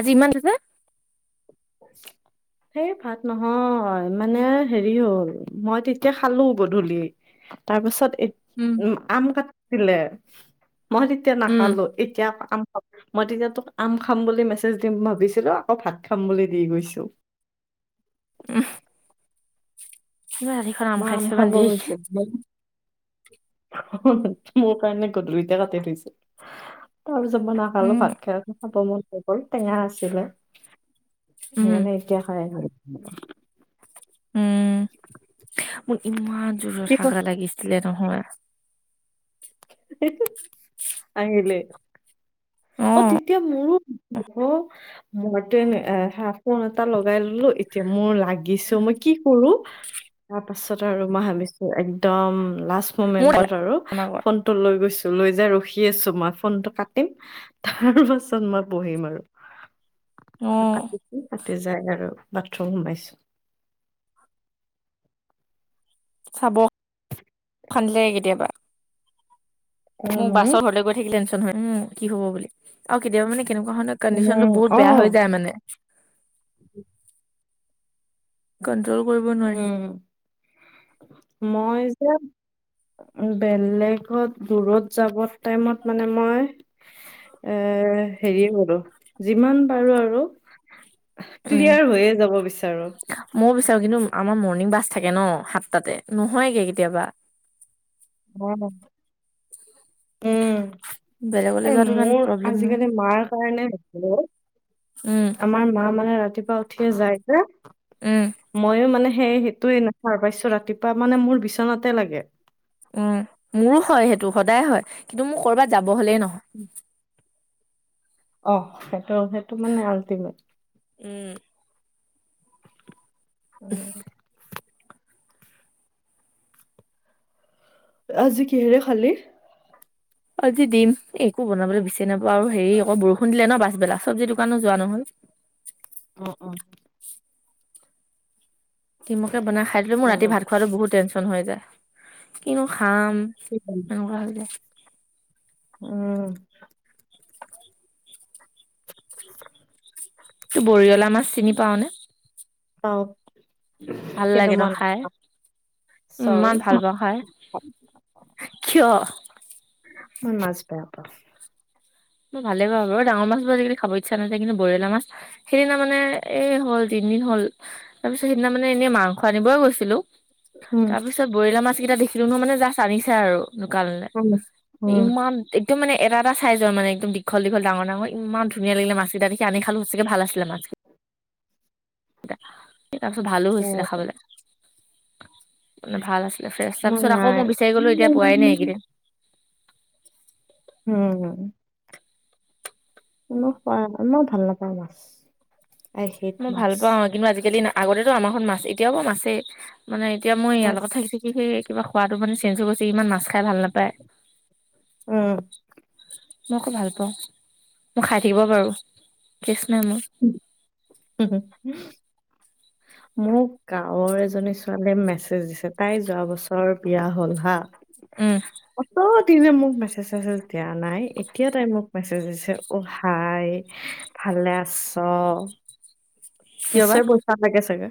আজি ইমান দূৰ যে [unintelligible] সেই ভাত নহয় মানে হেৰি হ'ল মই তেতিয়া খালোঁ গধূলি। তাৰ পিছত এত উম আম কাটিছিলে মই তেতিয়া উম নাখালোঁ। এতিয়া আম খাম মই তেতিয়া তোক আম খাম বুলি মেছেজ দিম ভাবিছিলোঁ আকৌ ভাত খাম বুলি দি গৈছোঁ। উস নোৱাৰি মই আম খাব গৈছিলোঁ। মোৰ কাৰণে গধূলিতে কাটি থৈছে, তাৰপিছত মই উম নাখালোঁ ভাত খাই খাব মন নগ'ল টেঙা আছিলে, উম সেইকাৰণে এতিয়া খাই [unintelligible] [inaudible] মোৰ ইমান জোৰত কি ক- হাগা লাগিছিলে নহয় আহিলে অ', তেতিয়া মোৰো মৰটো এনে হা ফোন এটা লগাই ললোঁ এতিয়া মোৰ লাগিছেওঁ মই কি কৰোঁ? তাৰ পাছত আৰু মই ভাবিছোঁ একদম লাষ্ট মোৰ মমেন্টত আৰু আগত ফন টো লৈ গৈছোঁ লৈ যাই ৰখি আছোঁ মই ফোনটো কাটিম তাৰ পাছত মই পঢ়িম আৰু অ তাতে যাই আৰু বাথৰুম সোমাইছোঁ চাব খান্দিলে কেতিয়াবা আৰু মোৰ মই বাছত ঘৰলৈ গৈ থাকিলে টেনশ্যন হয়, উম, কি হব বুলি আৰু কেতিয়াবা মানে কেনেকুৱা ধৰণত কণ্ডিচন টো উম বহুত অ বেয়া হৈ যায় মানে কণ্ট্ৰল কৰিব নোৱাৰি উম, মই যে বেলেগত দূৰত যাব টাইমত মানে মই এ হেৰিয়ে বাৰু যিমান পাৰোঁ আৰু ক্লিয়াৰ হৈয়ে যাব বিচাৰোঁ ময়ো বিচাৰোঁ কিন্তু আমাৰ মৰ্ণিং বাছ থাকে ন' সাতটাতে নহয়গে কেতিয়াবা। [inaudible] উম, বেলেগলৈ এ যোৱাটো ইমান মোৰ প্ৰব্লেম নাই আজিকালি মাৰ কাৰণে [unintelligible] উম আমাৰ মা মানে ৰাতিপুৱা উঠিয়ে যায় যে উম, ময়ো মানে সেই সেইটোৱে নেচাৰ পাইছোঁ ৰাতিপুৱা মানে মোৰ বিচনাতে লাগে। উম, মোৰো হয় সেইটো সদায় হয় কিন্তু মোক কৰ'বাত যাব হলেই ন [inaudible] অ', সেইটো, সেইটো মানে আল্টিমেট। উম, উম, আজি কিহেৰে খালি? আজি দিম একোঁ বনাবলৈ বিচাৰি নাপাওঁ আৰু হেৰি অকৌ বৰষুণ দিলে ন' পাছবেলা চব্জি দোকানো যোৱা নহল। অ', অ', দিমকে বনাই খাই দিলোঁ মোৰ ৰাতি অ ভাত খোৱাতো বহুত টেনশ্যন হৈ যায় কিনু খাম [inaudible] [inaudible] উম, বৰিয়লা মাছ চিনি পাওঁ নে? পাওঁ ভাল কিন্তু লাগে ন মই খাই নেখাওঁ চৰি ইমান ভাল পাওঁ খাই কিয় মই মাছ বেয়া পাওঁ। ম‌ই ভালেই পাওঁ বাৰু ডাঙৰ মাছ বোৰ আজিকালি খাব ইচ্ছা নাজাই কিন্তু বৰিয়লা মাছ সেইদিনা মানে এ হ'ল তিনদিন হ'ল তাৰ পিছত সিদিনা মানে এনেই মাংস আনিবই গৈছিলোঁ উম, তাৰপিছত বৰিয়লা মাছ কেইটা দেখিলোঁ ন' মানে জাষ্ট আনিছে আৰু দোকানলে, উম, উম, ইমান একদম মানে এটা এটা চাইজৰ মানে। একদম দীঘল দীঘল, ডাঙৰ ডাঙৰ। ইমান ধুনীয়া লাগিলে মাছকেইটা দেখি, আনি খালোঁ সঁচাকে ভাল আছিলে মাছ কেইটা। তাৰপিছত ভালো অ হৈছিলে খাবলৈ, মানে ভাল আছিলে। ফ্ৰেচ ফ্ৰেচ, মই তাৰপিছত আকৌ নাই। মই বিচাৰি উম, গলোঁ, এতিয়া পোৱাই নাই এইকেইদিন। উম্। মই ভাল নাপাওঁ মাছ। আই হেট মই ভাল মাছ। পাওঁ কিন্তু আজিকালি, আগতেটো আমাৰ ঘৰত মাছেই। এতিয়াও পুৰা মাছেই। মানে এতিয়া মই ইয়াৰ উম, লগত থাকি থাকি সেই কিবা খোৱাটো মানে চেঞ্জ হৈ গৈছে, ই ইমান মাছ খাই ভাল নাপায়। উম। মই আকৌ ভাল পাওঁ, মই খাই থাকিব পাৰোঁ। কেছ নাই মোৰ। হম্ হম্। মোক গাঁৱৰ এজনী ছোৱালীয়ে মেছেজ দিছে, তাই যোৱা বছৰ বিয়া হ'ল হা। উম্। অত'দিনে মোক মেছেজ ছেছেজ দিয়া নাই, এতিয়া তাই মোক মেছেজ দিছে অ', হাই। ভালে আছ? কিয় বা নিশ্চয় পইছা লাগে চাগে।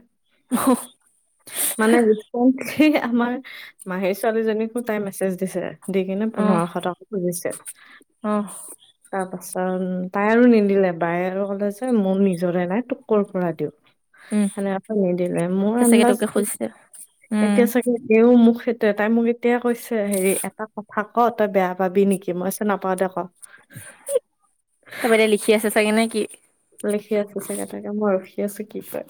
মানে ৰিচেন্টলি আমাৰ মাহীৰ ছোৱালী জনীকো তাই মেছেজ দিছে। দি কিনে, অ পোন্ধৰশ টকা খুজিছে! অ তাৰ পাছত, তাই আৰু নিদিলে। তাই আৰু ক'লে যে মোৰ নিজৰে নাই তোক ক'ৰ পৰা দিওঁ। উম সেনেকে নিদিলে, মোৰ চাগে আন্দাজ তোকে খুজিছে উম এতিয়া চাগে এইও মোক সেইটোৱে, তাই মোক এতিয়া কৈছে। হেৰি এটা কথা কওঁ তই বেয়া পাবি নেকি? মই কৈছোঁ নাপাও দে ক? তাৰপা এতিয়া লিখি আছে চাগে, নে কি? লিখি আছে চাগে তাকে, মই ৰখি আছোঁ কি কয়!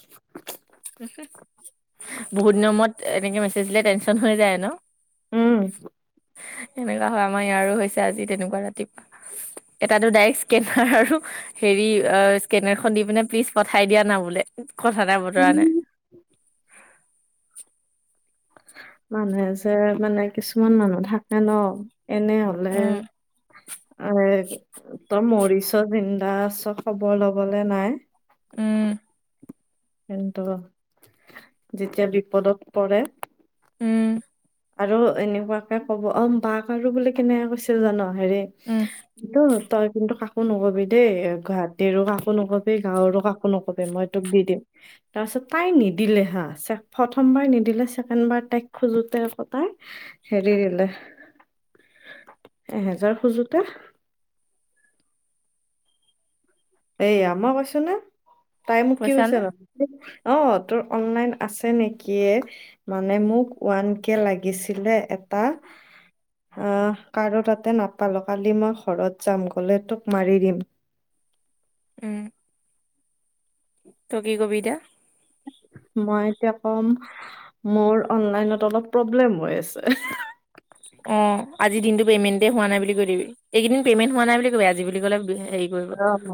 বহুত দিনৰ মুৰত এনেকে মেছেজ দিলে, টেনচন হৈ যায় ন! উম এনেকা হয়, আমাৰ ইয়াৰো হৈছে আজি তেনেকুৱা ৰাতিপুৱা। এটাতো ডাইৰেক্ট স্কেনাৰ আৰু হেৰি অ', স্কেনাৰখন দি পিনে প্লিজ পঠাই দিয়া না বোলে, কথা নাই বতৰা নাই। মানুহে যে মানে কিছুমান মানুহ থাকে ন! এনেই হ'লে উম এ তই মৰিচ, জিন্দা আছ, খবৰ ল'বলে নাই। উম্। কিন্তু যেতিয়া বিপদত পৰে। উম্। আৰু এনেকুৱাকে ক'ব, অ' বাক আৰু বোলে কেনেকে কৈছিল জান' হেৰি'। উম্। তই কিন্তু কাকো নকবি দেই, গুৱাহাটীৰো কাকো নকবি। গাঁৱৰো কাকো নকবি, মই তোক দি দিম। তাৰপিছত তাই নিদিলে হা। প্ৰথমবাৰ নিদিলে, ছেকেণ্ড বাৰ তাইক খোজোতে অ', তাই হেৰি দিলে, এহেজাৰ খোজোতে- এয়া মই কৈছো না, তাই মোক কি পইচা কৈছে না বাৰু অ', তোৰ অনলাইন আছে নেকি এ? মানে মোক ওৱান কে লাগিছিলে এটা। আহ্ কাৰো তাতে নাপালোঁ। কালি মই ঘৰত যাম, গ'লে তোক মাৰি দিম। উম্। তই কি কবি এতিয়া? মই এতিয়া ক'ম মোৰ অনলাইনত অলপ প্ৰব্লেম হৈ আছে। অ আজি দিনটো পেমেণ্টে হোৱা নাই বুলি কৈ দিবি এইকেইদিন পেমেন্ট হোৱা নাই বুলি কবি আজি বুলি ক'লে হেৰি কৰিব অ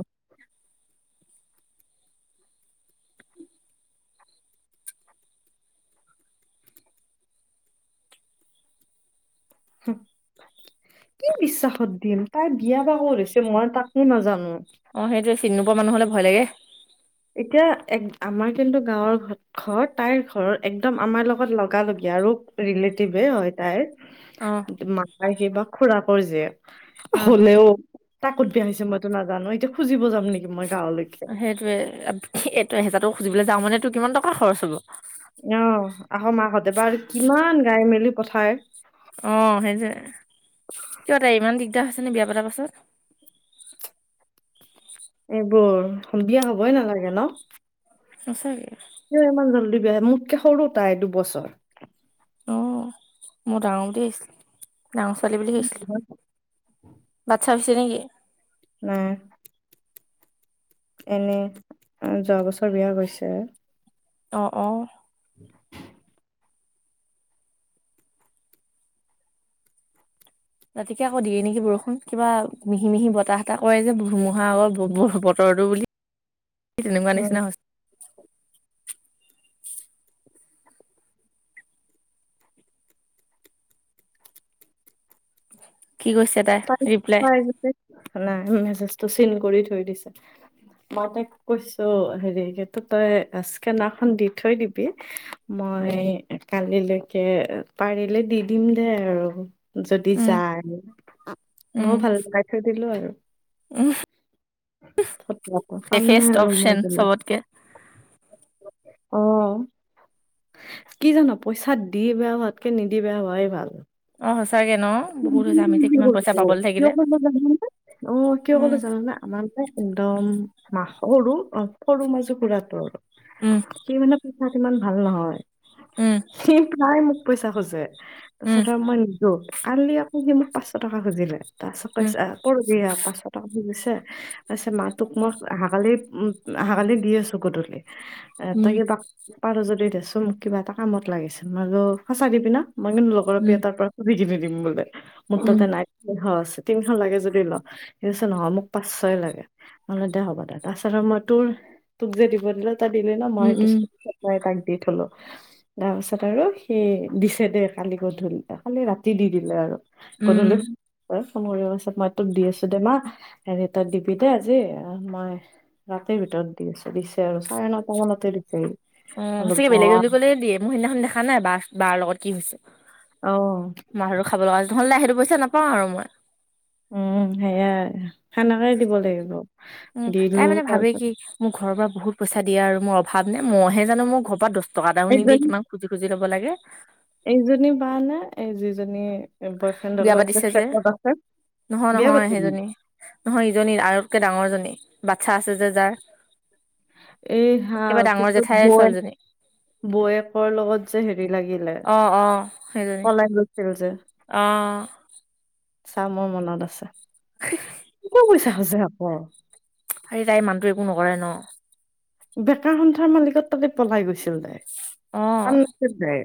হম কি বিশ্বাসত দিম তাই বিয়া বা কত হৈছে মই তাকো নাজানো অ সেইটোৱে চিনিনোপোৱা মানুহলে ভয় লাগে এতিয়া এক আমাৰ যোনতো গাঁৱৰ ঘৰ তাইৰ ঘৰ একদম আমাৰ লগত লগালগি আৰু ৰিলেটিভে হয় তাইৰ অ মামাৰ কিবা খুৰাকৰ জীয়েক অ হলেও তাই কত বিয়া হৈছে মইতো নাজানো এতিয়া খুজিব যাম নেকি মই গাঁৱলৈ সেইটোয়ে এইটো এহেজাৰটো খুজিবলৈ যাওঁতে মানে টোৰ কিমান টকা খৰচ হ'ব অ আকৌ মাকহঁতে বা আৰু কিমান গাই মেলি পঠায় অ' সেই যে কিয় তাইৰ ইমান দিগদাৰ হৈছে ন বিয়া পতাৰ পাছত এইবোৰ বিয়া হবই নালাগে ন? সচাকে কিয় ইমান জল্দি বিয়া হৈ মোতকে সৰু তাই দুবছৰ। অ' মই ডাঙৰ বুলি ভাবিছিলোঁ ডাঙৰ ছোৱালী বুলি ভাবিছিলোঁ। বাটচা হৈছে নেকি? নাই। এনে যোৱা বছৰ বিয়া হৈছেহে। অ', অ'। [inaudible] ৰাতিকে আকৌ দিয়ে নেকি বৰষুণ কিবা মিহি মিহি বতাহ এতাহ কৰে যে ধুমুহা আগৰ বতৰটো বুলি সেই তেনেকুৱা উম নিচিনা হৈছে। কি কৈছে তাই? ৰিপ্লাই নাই মেছেজটো চিন কৰি থৈ দিছে। মই তাইক কৈছো হেৰিটো তই স্কেনাৰখন দি থৈ দিবি। মই কালিলৈকে পাৰিলে দি দিম দে আৰু। যদি উম, যায় মইও ভাল লগাই থৈ দিলো আৰু। ফটোৱাটো কাম নাই এফেষ্ট আৰু মোৰ অপচন বোলে চবতকে। অ'। কি জান পইচাত দি বেয়া হোৱাতকে নিদি বেয়া হোৱাই ভাল। অ', সঁচাকে ন বহুত হৈছে আমি যে [unintelligible] কিয় কিমান জান পইচা পাবলৈ থাকিলে অ' কিয় উম, ক'লে জানো না? আমাৰ মে একদম মা সৰু অ' সৰু মজু খুৰাটো আৰু উম। সি মানে পইচা ইমান ভাল নহয়, উম, সি প্ৰায় মোক পইচা খোজে। উম, তাৰপিছত আৰু মই নিদো কালি আকৌ সি মোক পাঁচশ টকা খুজিলে। তাৰ পিছত কৈছে পৰশি পাঁচশ টকা গৈছে। কৈছে মাতোক মই আহাকালি উ আহাকালি দি আছো গধূলি। এ তই উম, কিবা পাৰ যদি দেছোন মোক কিবা এটা কামত লাগিছিল, মই বোলো সঁচাই দিবি না মই কিন্ত লগ লগৰ আপি উম, এটাৰ ত পৰা খুজি কিনি দিম বলে মোৰ উম, উম, তাতে নাই। তিনিশ আছে তিনিশ লাগে যদি ল সি কৈছে নহয় মোক' পাঁচশ লাগে নহ'লে দো হ'ব দে তাৰপাছত মই তোৰ তোক যে দিব দিলে দিলে ন' উম, মইটো উম, [inaudible] তাক দি থ'লো। তাৰপিছত আৰু সি দিছে দে, কালি গধূলি, কালি ৰাতি দি দিলে আৰু। উম গধূলি ফোন কৰি কৈছে, মই তোক দি আছোঁ দে, মা হেৰি তই দিবি দেই আজি মই ৰাতি ভিতৰত দি আছোঁ, দিছে আৰু চাৰে নটা মানতে দিছে। অ', সঁচাকে বেলেগে বুলি ক'লে দিয়ে, মোৰ সিদিনাখন দেখা নাই বাৰ, বাৰ লগত কি হৈছে? অ'। মাৰটো খাব লগা [unintelligible] সেইটো পইচা নাপাওঁ আৰু মই। উম, সেয়াই সেনেকাই দিব লাগিব। উম, তাই দিলো মানে ভাবে তাৰপিছত কি? মোক ঘৰৰ পৰা বহুত পইচা দিয়ে আৰু মোৰ অভাৱ নে, মইহে জানোঁ মোক ঘৰ পৰা দচ টকা এটাও নিদিয়ে এইজনী কিমান খুজি, খুজি ল'ব লাগে। এইজনী বা নে? এই যিজনী বয় বিয়া পাতিছে যে, নহয়, বিয়া নহয় পাতিলি সেইজনী নহয়, ইজনী আৰুতকে ডাঙৰজনী বাচ্ছা আছে যে, যাৰ। এই হা, একেবাৰে ডাঙৰ কিন্তু জেঠাই ছোৱালীজনী বৌৱেক-বৌৱেকৰ লগত যে, হেৰি লাগিলে। অ', অ', সেইজনী। [unintelligible] অ' চা, মোৰ মনত আছে, বৰ পইচা সাঁচে আকৌ। হেৰি তাইৰ মানুহটোৱে একো নকৰে ন? বেকাৰ সন্থাৰ মালিকত তাতে পলাই গৈছিল তাই। অ', [unintelligible] নাছিল তাইৰ।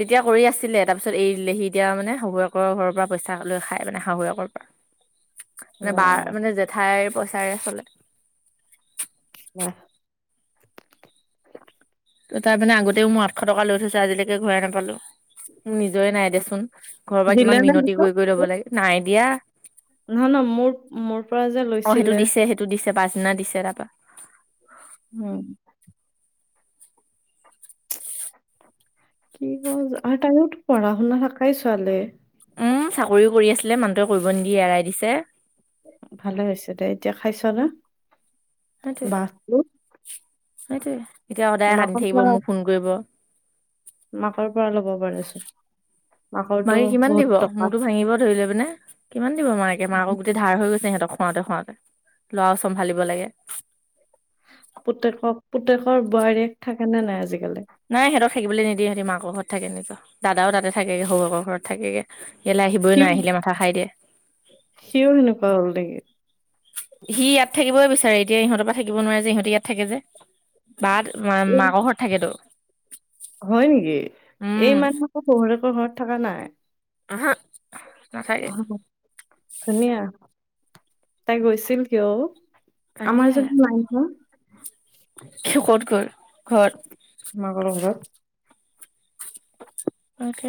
তেতিয়া কৰি আছিলে তাৰপিছত এৰি দিলে, সি এতিয়া মানে শাহুৱেকৰ ঘৰৰ পৰা পইচা লৈ খাই, মানে শাহুৱেকৰ পৰা। [unintelligible] মানে বাৰ, মানে জেঠাইৰ পইচাৰে চলে। বাহ তাইমানে আগতেও মোৰ আঠশ টকা লৈ থৈছে আজিলৈকে ঘূৰাই নাপালোঁ। নিজৰে নাই দেচোন, ঘৰৰ পৰা দিলে কিমান নে মিনতি পিছত কৰি, কৰি ল'ব লাগে নাই দিয়া। নহ, নহ মোৰ, মোৰ পৰা যে, লৈছিলে। টো, দিছে পাছদিনা দিছে তাপা। উম। [unintelligible] কি কল আৰু তাইতো পঢ়া, শুনা থাকাই ছোৱালীয়ে। উম, চাকৰিও কৰি আছিলে মানুহটোৱে কৰিব নিদিয়ে এৰাই দিছে। ভালে হৈছে দে, এতিয়া খাইছনে? সেইটোৱে, সেইটোৱে এতিয়া সদায় কান্দি মাকৰ থাকিব, পৰা মোক ফোন কৰিব। মাকৰ পৰা ল'ব পাৰে চোন। মাকে কিমান দিব? মূৰটো ভাঙিব ধৰি লৈ পিনে কিমান দিব মাকে? আছে। মাকক গোটেই ধাৰ হৈ গৈছে সিহঁতক খুৱাওঁতে, খুৱাওঁতে। ল'ৰাও চম্ভালিব লাগে। পুতেকক, পুতেকৰ বোৱাৰীয়েক থাকেনে নাই আজিকালি? নাই সিহঁতক থাকিবলৈ নিদিয়ে, সিহঁতি মাকৰ ঘৰত থাকে নিজৰ দাদাও তাতে, থাকেগে শহুৱেকৰ ঘৰত থাকেগে। ইয়ালৈ আহিবই নোৱাৰে আহিলেই মাথা খাই দিয়ে। সিয়ো সেনেকুৱা হ'ল নেকি? সি ইয়াত থাকিবই বিচাৰে, এতিয়া ইহঁতৰ পৰা থাকিব নোৱাৰে যে, ইহঁতে ইয়াত থাকে যে, বাক এই মা-মাকৰ ঘৰত থাকেতো। হয় নেকি এই উম মানুহকো শহৰেকৰ ঘৰত থকা নাই আহা নাথাকে অ' ধুনীয়া তাই গৈছিল কিয়? আমাৰ তাকেহে যদি নাই নহয় কি ক'ত ঘৰ ঘৰত মাকৰ ঘৰত তাকে